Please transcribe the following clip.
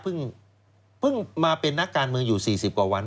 เพิ่งมาเป็นนักการเมืองอยู่๔๐กว่าวัน